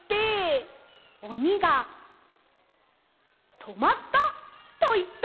おにが「とまった」といったら。